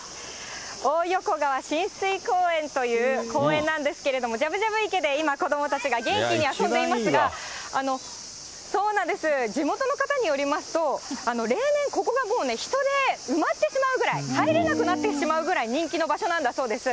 大横川親水公園という公園なんですけれども、じゃぶじゃぶ池で今、子どもたちが元気に遊んでいますが、地元の方によりますと、例年、ここがもうね、人で埋まってしまうぐらい、入れなくなってしまうぐらい人気の場所なんだそうです。